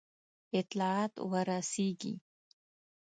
اطلاعات ورسیږي.